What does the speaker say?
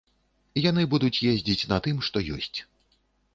Яны будуць ездзіць на тым, што ёсць.